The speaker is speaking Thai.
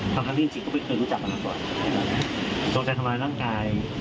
ค่อนข้างที่จิตก็ไม่เคยรู้จักมันหรือเปล่าตรงใจทำร้ายร่างกาย